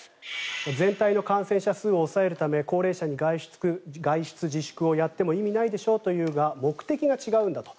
全体の感染者数を抑えるため高齢者に外出自粛をやっても意味ないでしょというが目的が違うんだと。